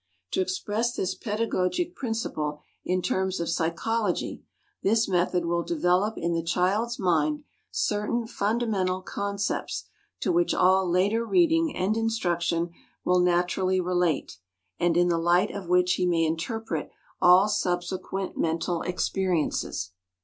To express this pedagogic principle in terms of psychology, this method will develop in the child's mind certain fundamental concepts to which all later reading and instruction will naturally relate and in the light of which he may interpret all subsequent mental experiences.